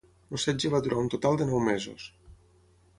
El setge va durar un total de nou mesos.